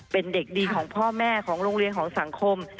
เป็นเด็กดีของพ่อแม่ของโรงเรียนของสังคม